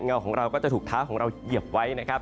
เงาของเราก็จะถูกเท้าของเราเหยียบไว้นะครับ